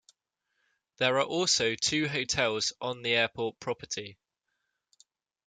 There are also two hotels on the airport property.